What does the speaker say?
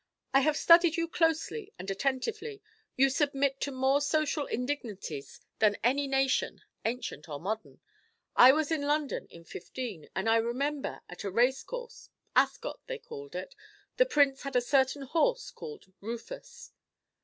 I have studied you closely and attentively. You submit to more social indignities than any nation, ancient or modern. I was in London in '15, and I remember, at a race course, Ascot, they called it, the Prince had a certain horse called Rufus."